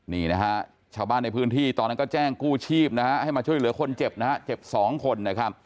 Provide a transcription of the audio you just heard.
นี่นะฮะเชาะบ้านในพื้นที่ตอนนั้นก็แจ้งกู้ชีพให้เดี๋ยวคนเจ็บเจ็บ๒คน